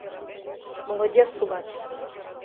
Молодец улат!..